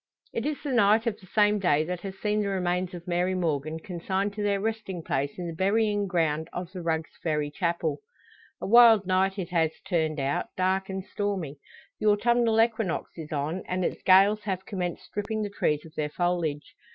It is the night of the same day that has seen the remains of Mary Morgan consigned to their resting place in the burying ground of the Rugg's Ferry chapel. A wild night it has turned out, dark and stormy. The autumnal equinox is on, and its gales have commenced stripping the trees of their foliage.